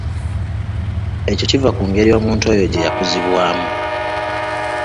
Ekyo kiva ku ngeri omuntu oyo gye yakuzibwamu.